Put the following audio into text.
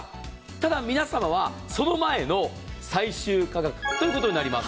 ただ、皆様はその前の最終価格ということになります。